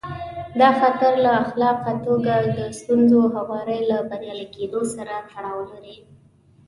دا خطر له خلاقه توګه د ستونزو هواري له بریالي کېدو سره تړاو لري.